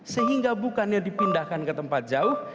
sehingga bukannya dipindahkan ke tempat jauh